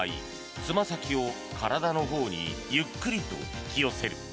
つま先を体のほうにゆっくりと引き寄せる。